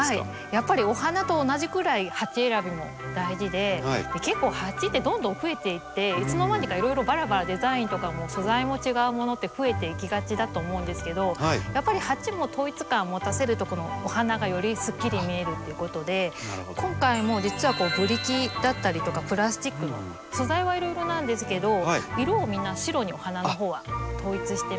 やっぱりお花と同じくらい鉢選びも大事で結構鉢ってどんどん増えていっていつの間にかいろいろばらばらデザインとかも素材も違うものって増えていきがちだと思うんですけどやっぱり鉢も統一感持たせるとお花がよりすっきり見えるということで今回も実はブリキだったりとかプラスチックの素材はいろいろなんですけど色をみんな白にお花のほうは統一しています。